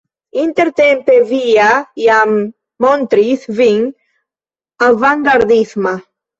Intertempe vi ja jam montris vin avangardisma!